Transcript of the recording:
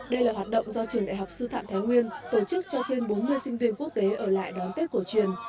đây là hoạt động do trường đại học sư phạm thái nguyên tổ chức cho trên bốn mươi sinh viên quốc tế ở lại đón tết cổ truyền